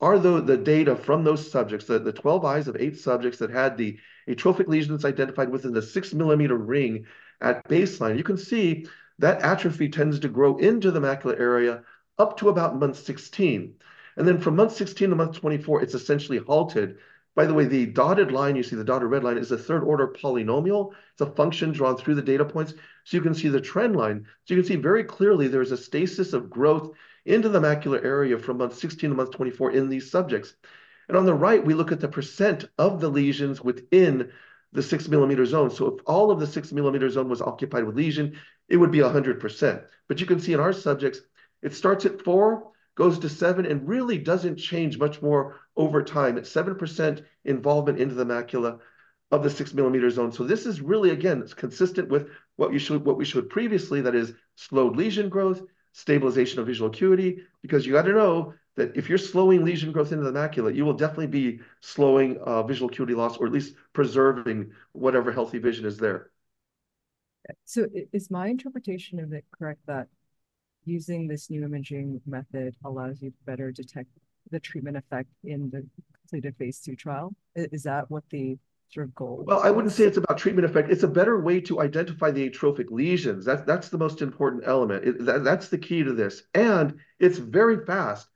are the data from those subjects, the 12 eyes of eight subjects that had the atrophic lesions identified within the 6-millimeter ring at baseline. You can see that atrophy tends to grow into the macular area up to about month 16. Then from month 16 to month 24, it's essentially halted. By the way, the dotted line, you see the dotted red line, is a third-order polynomial. It's a function drawn through the data points, so you can see the trend line. So you can see very clearly there is a stasis of growth into the macular area from month 16 to month 24 in these subjects. On the right, we look at the percent of the lesions within the 6-millimeter zone. So if all of the 6-millimeter zone was occupied with lesion, it would be 100%. But you can see in our subjects, it starts at four, goes to seven, and really doesn't change much more over time. It's 7% involvement into the macula of the 6-millimeter zone. So this is really, again, it's consistent with what we showed, what we showed previously, that is slowed lesion growth, stabilization of visual acuity, because you got to know that if you're slowing lesion growth into the macula, you will definitely be slowing visual acuity loss, or at least preserving whatever healthy vision is there. So, is my interpretation of it correct that using this new imaging method allows you to better detect the treatment effect in the completed phase II trial? Is that what the sort of goal was? Well, I wouldn't say it's about treatment effect. It's a better way to identify the atrophic lesions. That's, that's the most important element. That's the key to this, and it's very fast.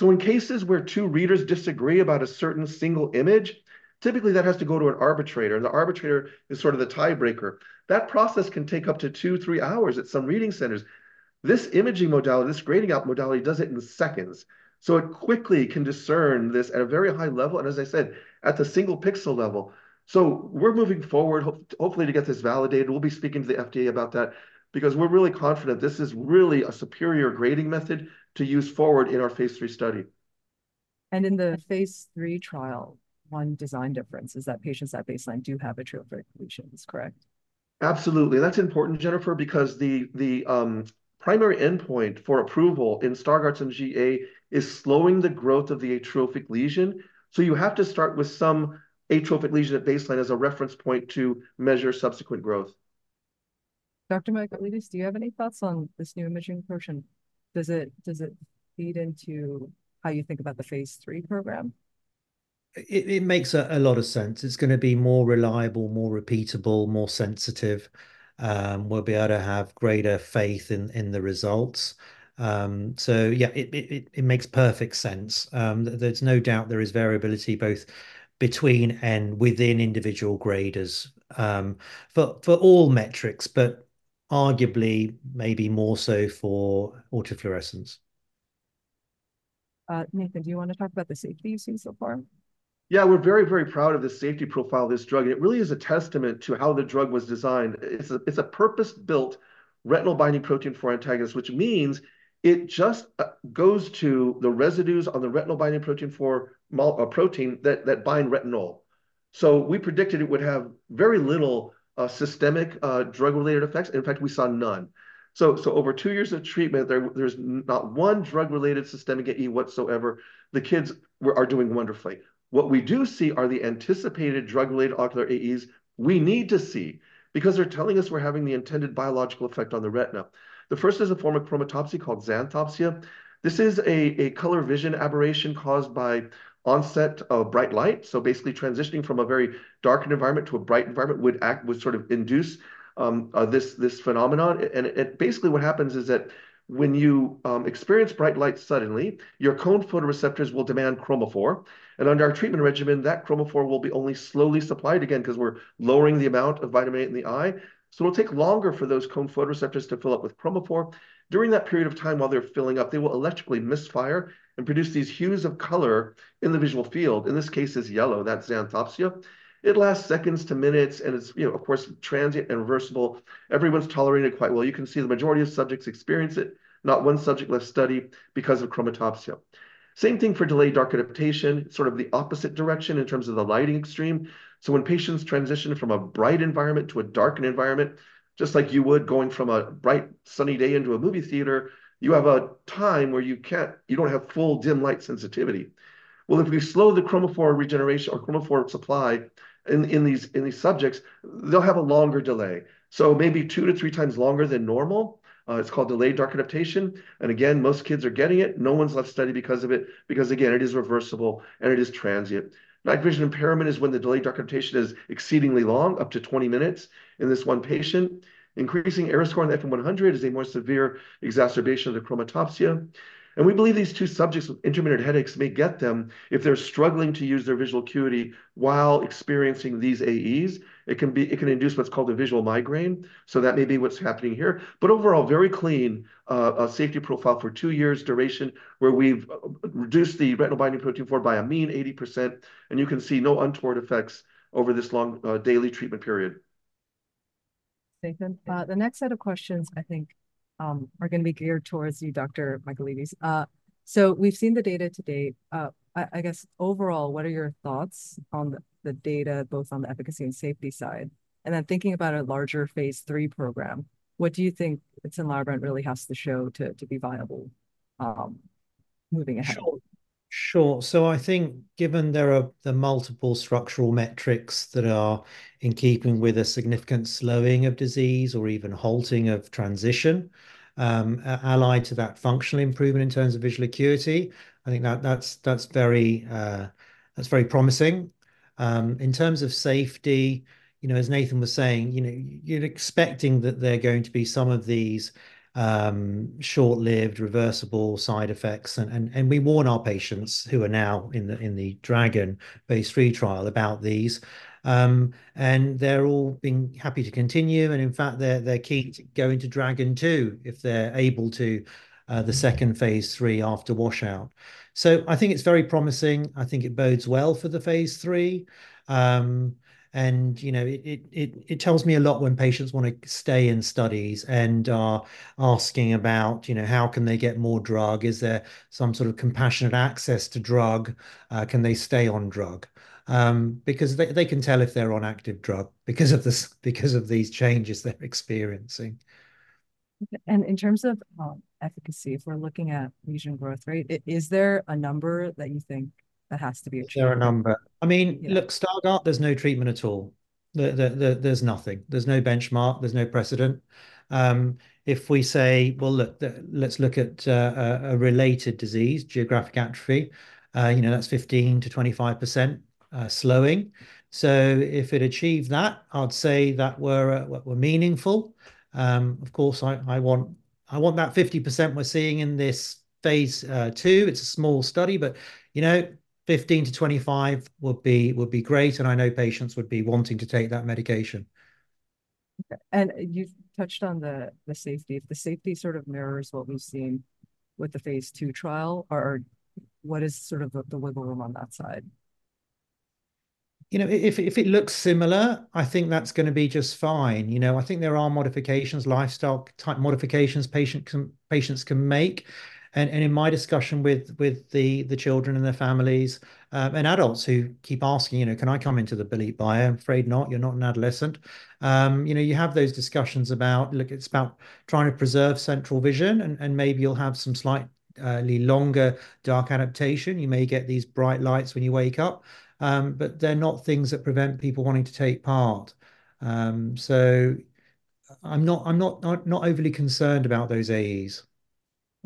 So in cases where two readers disagree about a certain single image, typically that has to go to an arbitrator, and the arbitrator is sort of the tiebreaker. That process can take up to two-three hours at some reading centers. This imaging modality, this grading algorithm, does it in seconds. So it quickly can discern this at a very high level, and as I said, at the single pixel level. So we're moving forward, hopefully to get this validated. We'll be speaking to the FDA about that because we're really confident this is really a superior grading method to use forward in our phase III study. In the phase III trial, one design difference is that patients at baseline do have atrophic lesions, correct? Absolutely. That's important, Jennifer, because the primary endpoint for approval in Stargardt's and GA is slowing the growth of the atrophic lesion. So you have to start with some atrophic lesion at baseline as a reference point to measure subsequent growth. Dr. Michaelides, do you have any thoughts on this new imaging approach, and does it feed into how you think about the phase III program? It makes a lot of sense. It's gonna be more reliable, more repeatable, more sensitive. We'll be able to have greater faith in the results. So yeah, it makes perfect sense. There's no doubt there is variability both between and within individual graders, for all metrics, but arguably maybe more so for autofluorescence. Nathan, do you wanna talk about the safety you've seen so far? Yeah, we're very, very proud of the safety profile of this drug, and it really is a testament to how the drug was designed. It's a purpose-built Retinol Binding Protein 4 antagonist, which means it just goes to the residues on the Retinol Binding Protein 4, a protein that bind retinol. So we predicted it would have very little systemic drug-related effects. In fact, we saw none. So over two years of treatment, there's not one drug-related systemic AE whatsoever. The kids are doing wonderfully. What we do see are the anticipated drug-related ocular AEs we need to see because they're telling us we're having the intended biological effect on the retina. The first is a form of chromatopsia called xanthopsia. This is a color vision aberration caused by onset of bright light. So basically transitioning from a very darkened environment to a bright environment would act, would sort of induce this phenomenon. And basically what happens is that when you experience bright light suddenly, your cone photoreceptors will demand chromophore. And under our treatment regimen, that chromophore will be only slowly supplied again, 'cause we're lowering the amount of vitamin A in the eye. So it'll take longer for those cone photoreceptors to fill up with chromophore. During that period of time, while they're filling up, they will electrically misfire and produce these hues of color in the visual field, in this case is yellow. That's Xanthopsia. It lasts seconds to minutes, and it's, you know, of course, transient and reversible. Everyone's tolerated it quite well. You can see the majority of subjects experience it. Not one subject left study because of Chromatopsia. Same thing for delayed dark adaptation, sort of the opposite direction in terms of the lighting extreme. So when patients transition from a bright environment to a darkened environment, just like you would going from a bright, sunny day into a movie theater, you have a time where you don't have full dim light sensitivity. Well, if we slow the chromophore regeneration or chromophore supply in these subjects, they'll have a longer delay, so maybe two-three times longer than normal. It's called delayed dark adaptation, and again, most kids are getting it. No one's left study because of it, because, again, it is reversible, and it is transient. Night vision impairment is when the delayed dark adaptation is exceedingly long, up to 20 minutes in this one patient. Increasing error score on the FM-100 is a more severe exacerbation of the chromatopsia. And we believe these two subjects with intermittent headaches may get them if they're struggling to use their visual acuity while experiencing these AEs. It can induce what's called a visual migraine, so that may be what's happening here. But overall, very clean safety profile for two years' duration, where we've reduced the Retinol Binding Protein 4 by a mean 80%, and you can see no untoward effects over this long daily treatment period. Nathan, the next set of questions I think are gonna be geared towards you, Dr. Michaelides. So we've seen the data to date. I guess, overall, what are your thoughts on the data, both on the efficacy and safety side? And then thinking about a larger phase III program, what do you think Tinlarebant really has to show to be viable, moving ahead? Sure. Sure, so I think given there are the multiple structural metrics that are in keeping with a significant slowing of disease or even halting of transition, allied to that functional improvement in terms of visual acuity, I think that, that's very promising. In terms of safety, you know, as Nathan was saying, you know, you're expecting that there are going to be some of these, short-lived, reversible side effects. And we warn our patients who are now in the DRAGON phase III trial about these. And they're all been happy to continue, and in fact, they're keen to go into DRAGON two if they're able to, the second phase III after washout. So I think it's very promising. I think it bodes well for the phase III. And, you know, it tells me a lot when patients wanna stay in studies and are asking about, you know, how can they get more drug? Is there some sort of compassionate access to drug? Can they stay on drug? Because they can tell if they're on active drug because of these changes they're experiencing. In terms of efficacy, if we're looking at lesion growth rate, is there a number that you think that has to be achieved? Is there a number? Yeah. I mean, look, start up, there's no treatment at all. There, there's nothing. There's no benchmark. There's no precedent. If we say, well, look, let's look at a related disease, geographic atrophy, you know, that's 15%-25% slowing. So if it achieved that, I'd say that we're meaningful. Of course, I want that 50% we're seeing in this phase II. It's a small study, but, you know, 15%-25% would be great, and I know patients would be wanting to take that medication. You've touched on the safety. If the safety sort of mirrors what we've seen with the phase II trial, or what is sort of the wiggle room on that side? You know, if it looks similar, I think that's gonna be just fine. You know, I think there are modifications, lifestyle type modifications patients can make. In my discussion with the children and their families, and adults who keep asking, you know, "Can I come into the Belite trial?" "I am afraid not. You're not an adolescent." You know, you have those discussions about, look, it's about trying to preserve central vision, and maybe you'll have some slightly longer dark adaptation. You may get these bright lights when you wake up, but they're not things that prevent people wanting to take part. So I'm not overly concerned about those AEs.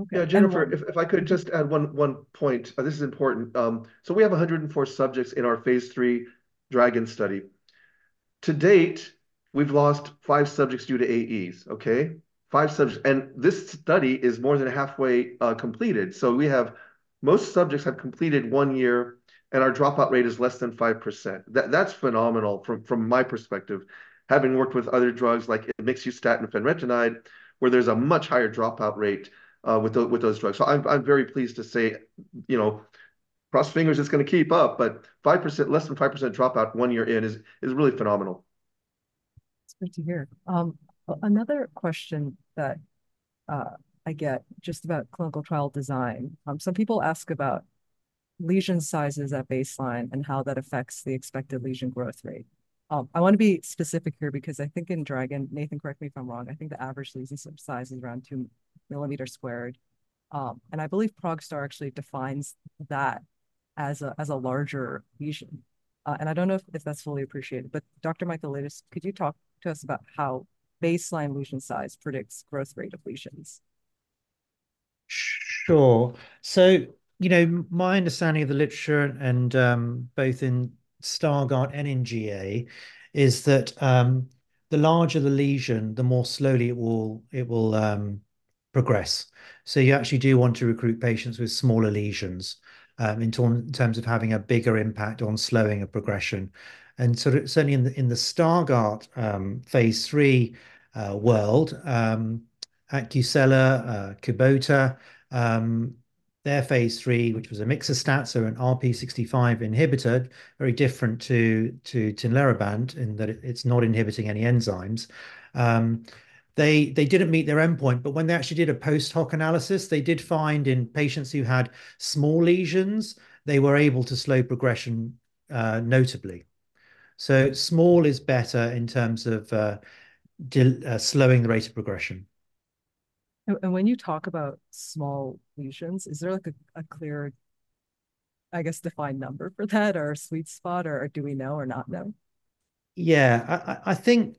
Okay. Yeah, Jennifer, if I could just add one point, this is important. So we have 104 subjects in our phase III DRAGON study. To date, we've lost five subjects due to AEs, okay? Five subjects. And this study is more than halfway completed. So we have... Most subjects have completed one year, and our dropout rate is less than 5%. That's phenomenal from my perspective, having worked with other drugs like Emixustat and Fenretinide, where there's a much higher dropout rate with those drugs. So I'm very pleased to say, you know, cross fingers it's gonna keep up, but 5%, less than 5% dropout one year in is really phenomenal. It's good to hear. Another question that I get just about clinical trial design. Some people ask about lesion sizes at baseline and how that affects the expected lesion growth rate. I wanna be specific here because I think in DRAGON, Nathan, correct me if I'm wrong, I think the average lesion size is around 2-millimeters squared. I believe ProgStar actually defines that as a larger lesion. I don't know if that's fully appreciated, but Dr. Michaelides, could you talk to us about how baseline lesion size predicts growth rate of lesions? Sure. So, you know, my understanding of the literature and, both in Stargardt and in GA, is that, the larger the lesion, the more slowly it will, it will, progress. So you actually do want to recruit patients with smaller lesions, in terms of having a bigger impact on slowing of progression. And so certainly in the Stargardt, phase III world, Acucela, Kubota, their phase III, which was Emixustat, so an RPE65 inhibitor, very different to Tinlarebant in that it, it's not inhibiting any enzymes. They didn't meet their endpoint, but when they actually did a post-hoc analysis, they did find in patients who had small lesions, they were able to slow progression, notably. So small is better in terms of slowing the rate of progression. When you talk about small lesions, is there, like, a clear, I guess, defined number for that or a sweet spot, or do we know or not know? Yeah, I think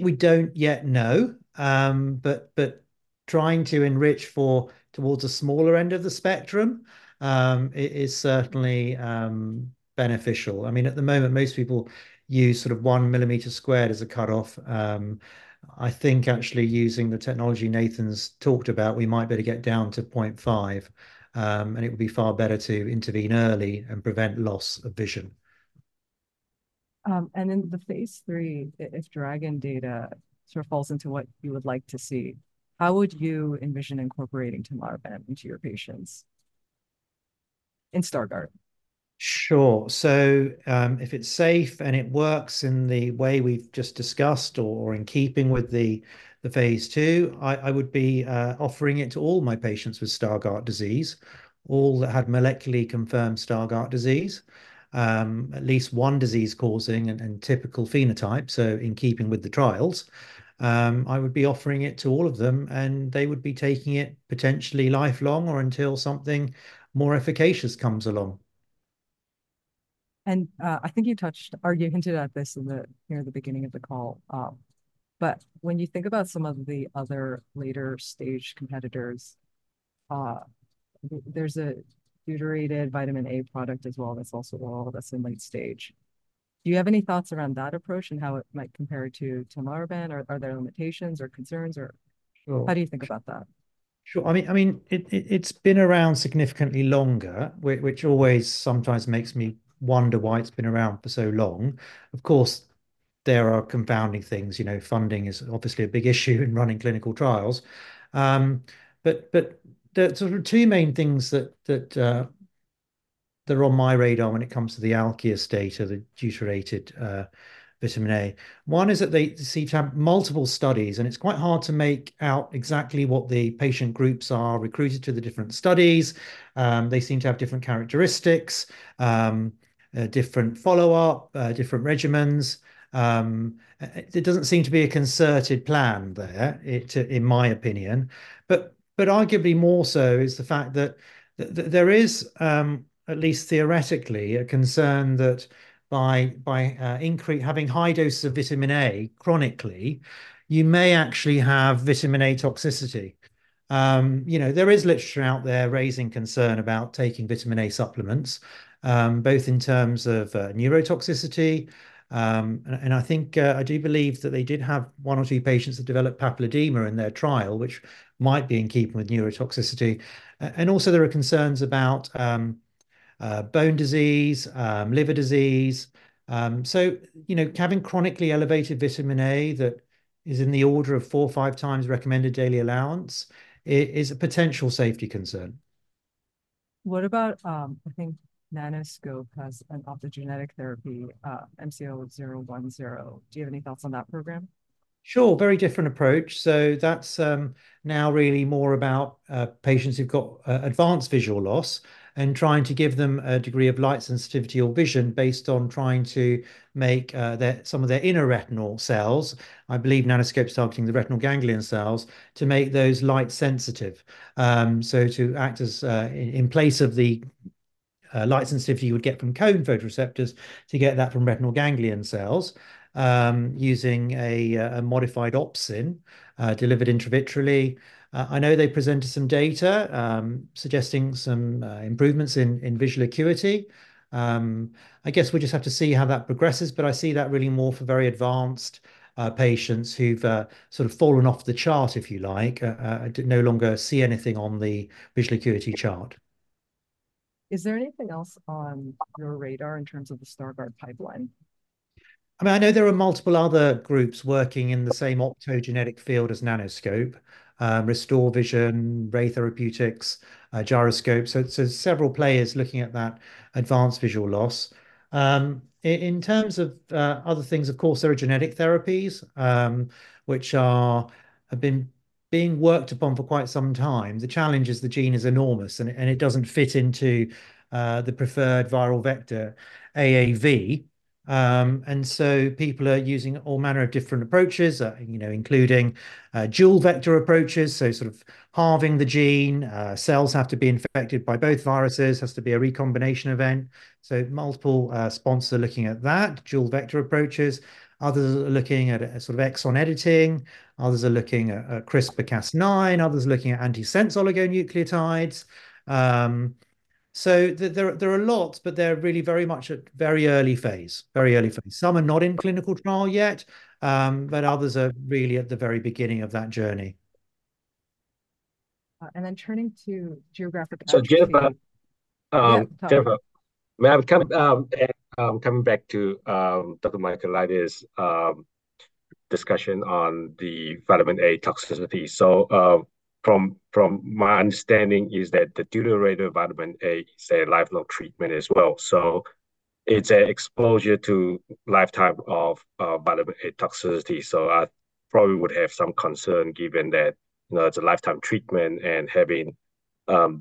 we don't yet know. But trying to enrich for towards the smaller end of the spectrum is certainly beneficial. I mean, at the moment, most people use sort of 1-millimeter squared as a cut-off. I think actually using the technology Nathan's talked about, we might be able to get down to 0.5, and it would be far better to intervene early and prevent loss of vision. In the phase III, if DRAGON data sort of falls into what you would like to see, how would you envision incorporating Tinlarebant into your patients in Stargardt? Sure. So, if it's safe and it works in the way we've just discussed or in keeping with the phase II, I would be offering it to all my patients with Stargardt Disease, all that had molecularly confirmed Stargardt Disease. At least one disease-causing and typical phenotype, so in keeping with the trials. I would be offering it to all of them, and they would be taking it potentially lifelong or until something more efficacious comes along. I think you touched or you hinted at this near the beginning of the call. But when you think about some of the other later-stage competitors, there's a deuterated vitamin A product as well that's also, well, that's in late stage. Do you have any thoughts around that approach and how it might compare to Tinlarebant, or are there limitations or concerns, or- Sure. How do you think about that? Sure. I mean, it's been around significantly longer, which always sometimes makes me wonder why it's been around for so long. Of course, there are confounding things, you know, funding is obviously a big issue in running clinical trials. But the sort of two main things that are on my radar when it comes to the ALK-001 or the deuterated vitamin A. One is that they seem to have multiple studies, and it's quite hard to make out exactly what the patient groups are recruited to the different studies. They seem to have different characteristics, different follow-up, different regimens. There doesn't seem to be a concerted plan there, in my opinion. But arguably more so is the fact that there is, at least theoretically, a concern that by having high doses of vitamin A, chronically, you may actually have vitamin A toxicity. You know, there is literature out there raising concern about taking vitamin A supplements, both in terms of neurotoxicity. And I think, I do believe that they did have one or two patients that developed papilledema in their trial, which might be in keeping with neurotoxicity. And also there are concerns about bone disease, liver disease. So, you know, having chronically elevated vitamin A that is in the order of four or five times recommended daily allowance is a potential safety concern. What about, I think Nanoscope has an optogenetic therapy, MCO-010. Do you have any thoughts on that program? Sure. Very different approach. So that's now really more about patients who've got advanced visual loss and trying to give them a degree of light sensitivity or vision based on trying to make some of their inner retinal cells, I believe Nanoscope's targeting the retinal ganglion cells, to make those light sensitive. So to act as in place of the light sensitivity you would get from cone photoreceptors, to get that from retinal ganglion cells, using a modified opsin delivered intravitreally. I know they presented some data suggesting some improvements in visual acuity. I guess we just have to see how that progresses, but I see that really more for very advanced patients who've sort of fallen off the chart, if you like, no longer see anything on the visual acuity chart. Is there anything else on your radar in terms of the Stargardt pipeline? I mean, I know there are multiple other groups working in the same optogenetic field as Nanoscope, Restore Vision, Ray Therapeutics, Gyroscope. So, several players looking at that advanced visual loss. In terms of other things, of course, there are genetic therapies, which are, have been being worked upon for quite some time. The challenge is the gene is enormous, and it doesn't fit into the preferred viral vector, AAV. And so people are using all manner of different approaches, you know, including dual vector approaches, so sort of halving the gene. Cells have to be infected by both viruses, has to be a recombination event. So multiple sponsors are looking at that, dual vector approaches. Others are looking at sort of exon editing, others are looking at CRISPR-Cas9, others are looking at antisense oligonucleotides. So there are lots, but they're really very much at very early phase. Very early phase. Some are not in clinical trial yet, but others are really at the very beginning of that journey. Turning to Geographic Atrophy. So, Jennifer, Yeah, Tommy. Jennifer, may I come, coming back to, Dr. Michel Michaelides' discussion on the vitamin A toxicity. So, from, from my understanding is that the deuterated vitamin A is a lifelong treatment as well. So it's a exposure to lifetime of, vitamin A toxicity. So I probably would have some concern given that, you know, it's a lifetime treatment and having,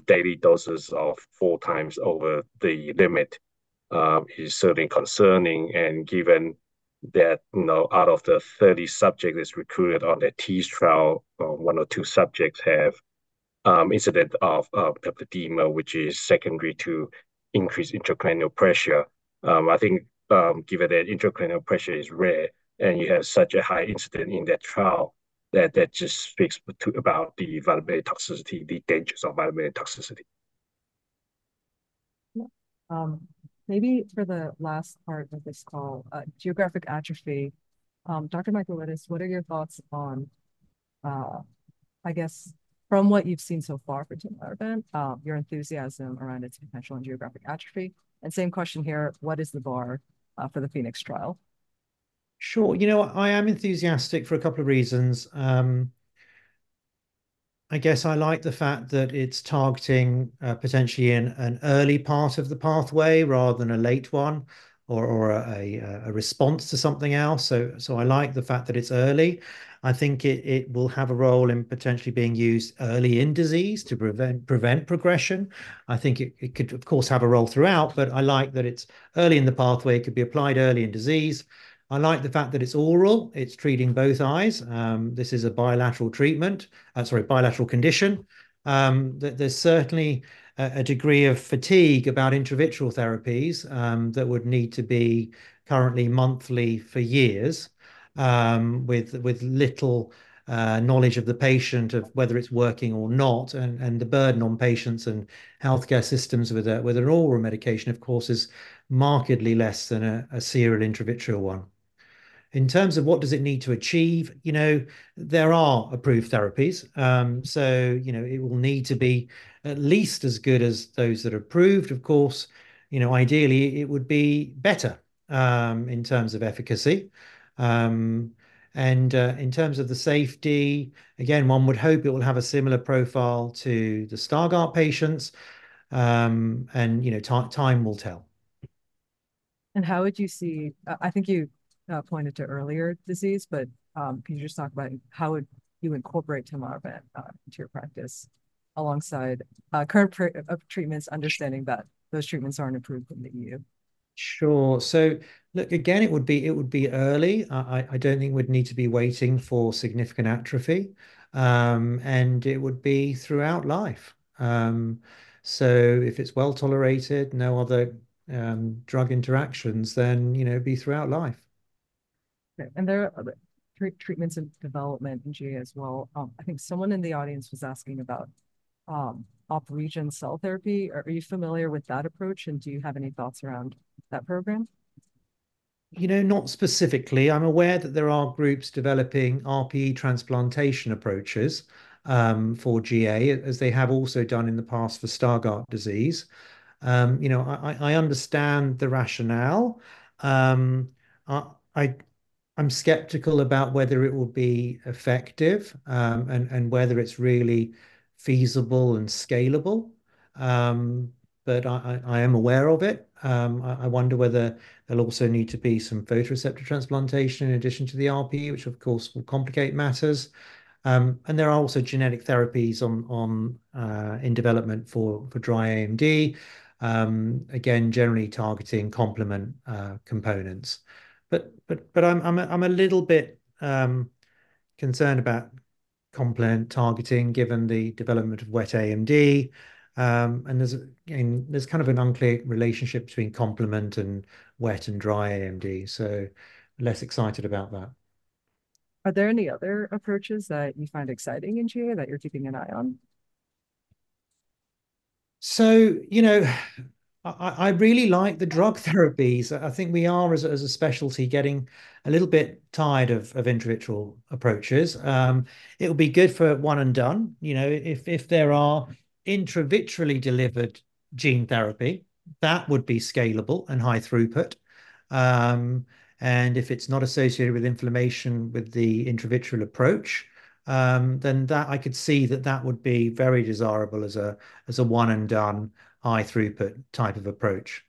daily doses of four times over the limit, is certainly concerning. And given that, you know, out of the 30 subjects that's recruited on the TEASE trial, one or two subjects have, incident of, of papilledema, which is secondary to increased intracranial pressure. I think, given that intracranial pressure is rare and you have such a high incidence in that trial, that, that just speaks to, about the vitamin A toxicity, the dangers of vitamin A toxicity. Yeah. Maybe for the last part of this call, geographic atrophy. Dr. Michel Michaelides, what are your thoughts on, I guess from what you've seen so far for Tinlarebant, your enthusiasm around its potential in geographic atrophy? And same question here, what is the bar, for the PHOENIX trial? Sure. You know, I am enthusiastic for a couple of reasons. I guess I like the fact that it's targeting potentially in an early part of the pathway rather than a late one, or a response to something else. So I like the fact that it's early. I think it will have a role in potentially being used early in disease to prevent progression. I think it could, of course, have a role throughout, but I like that it's early in the pathway. It could be applied early in disease. I like the fact that it's oral, it's treating both eyes. This is a bilateral treatment, sorry, bilateral condition. There's certainly a degree of fatigue about intravitreal therapies that would need to be currently monthly for years, with little knowledge of the patient of whether it's working or not, and the burden on patients and healthcare systems with an oral medication, of course, is markedly less than a serial intravitreal one. In terms of what does it need to achieve, you know, there are approved therapies. So, you know, it will need to be at least as good as those that are approved. Of course, you know, ideally, it would be better in terms of efficacy. And in terms of the safety, again, one would hope it will have a similar profile to the Stargardt patients. And you know, time will tell. How would you see? I think you pointed to earlier disease, but can you just talk about how would you incorporate Tinlarebant into your practice alongside current treatments, understanding that those treatments aren't approved in the E.U.? Sure. So look, again, it would be early. I don't think we'd need to be waiting for significant atrophy. And it would be throughout life. So if it's well-tolerated, no other drug interactions, then, you know, it'd be throughout life. There are other treatments in development in GA as well. I think someone in the audience was asking about optogenetic cell therapy. Are you familiar with that approach, and do you have any thoughts around that program? You know, not specifically. I'm aware that there are groups developing RPE transplantation approaches for GA, as they have also done in the past for Stargardt disease. You know, I understand the rationale. I'm skeptical about whether it will be effective, and whether it's really feasible and scalable. But I am aware of it. I wonder whether there'll also need to be some photoreceptor transplantation in addition to the RPE, which of course, will complicate matters. And there are also genetic therapies in development for dry AMD, again, generally targeting complement components. But I'm a little bit concerned about complement targeting, given the development of wet AMD. And there's, again, kind of an unclear relationship between complement and wet and dry AMD, so less excited about that. Are there any other approaches that you find exciting in GA that you're keeping an eye on? So, you know, I really like the drug therapies. I think we are, as a specialty, getting a little bit tired of intravitreal approaches. It'll be good for one and done. You know, if there are intravitreally delivered gene therapy, that would be scalable and high throughput. And if it's not associated with inflammation with the intravitreal approach, then that, I could see that that would be very desirable as a one and done high throughput type of approach.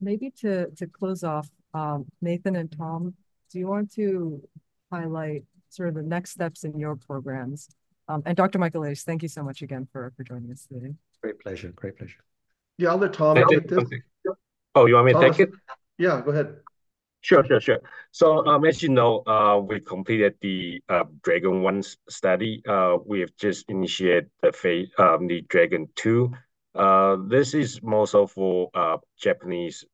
Maybe to close off, Nathan and Tom, do you want to highlight sort of the next steps in your programs? Dr. Michaelides, thank you so much again for joining us today. Great pleasure. Great pleasure. Yeah, I'll let Tom- Oh, you want me to take it? Yeah, go ahead. Sure, sure, sure. So, as you know, we've completed the DRAGON1 study. We have just initiated the phase, the DRAGON2. This is more so for Japanese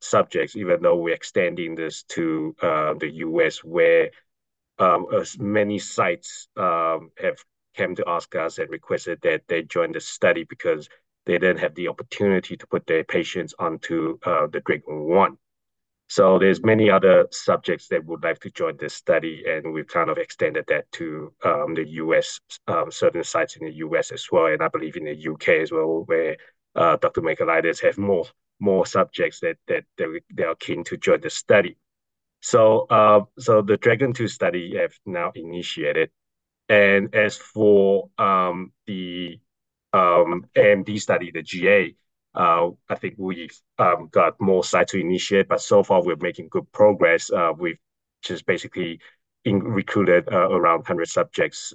subjects, even though we're extending this to the U.S., where as many sites have came to ask us and requested that they join the study because they didn't have the opportunity to put their patients onto the DRAGON1. So there's many other subjects that would like to join this study, and we've kind of extended that to the U.S., certain sites in the U.S. as well, and I believe in the U.K. as well, where Dr. Michaelides have more subjects that they are keen to join the study. So the DRAGON2 study has now initiated, and as for the AMD study, the GA, I think we've got more sites to initiate, but so far we're making good progress. We've just basically recruited around 100 subjects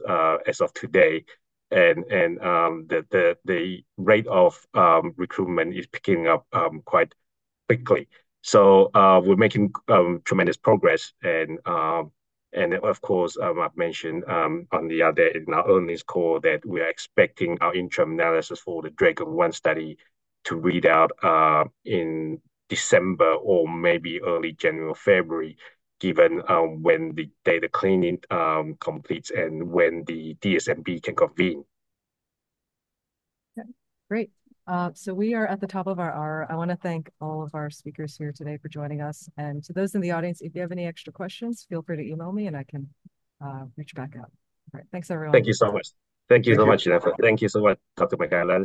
as of today, and the rate of recruitment is picking up quite quickly. So we're making tremendous progress and of course I've mentioned on the other, in our earnings call, that we're expecting our interim analysis for the DRAGON1 study to read out in December or maybe early January, February, given when the data cleaning completes and when the DSMB can convene. Okay, great. So we are at the top of our hour. I wanna thank all of our speakers here today for joining us. And to those in the audience, if you have any extra questions, feel free to email me, and I can reach back out. All right. Thanks, everyone. Thank you so much. Thank you so much. Thank you so much, Dr. Michaelides.